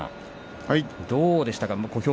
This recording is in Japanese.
どうでしたか？